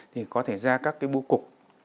thì có thể ra các bưu cục